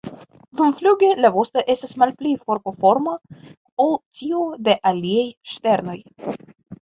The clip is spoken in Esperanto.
Dumfluge la vosto estas malpli forkoforma ol tiu de aliaj ŝternoj.